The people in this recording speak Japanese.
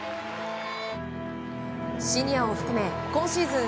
シニアを含め今シーズン